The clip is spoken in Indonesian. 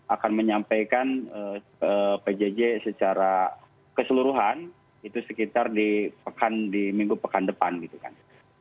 akan menyampaikan pjj secara keseluruhan itu sekitar di pekan di minggu pekan depan gitu kan